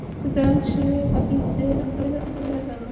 সুতরাং সে কাফিরদের অন্তর্ভুক্ত হয়ে গেল।